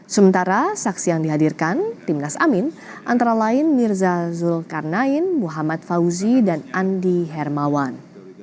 sementara saksi yang dihadirkan timnas amin antara lain mirza zulkarnain muhammad fauzi dan andi hermawan